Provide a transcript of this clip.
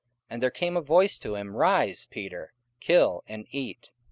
44:010:013 And there came a voice to him, Rise, Peter; kill, and eat.